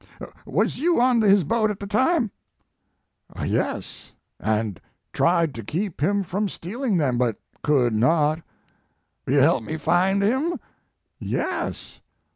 "Was you on his boat at the time?" 142 Mark Twain "Yes, and tried to keep him from stealing them, but could not." "Will you help me find him?" "Yes."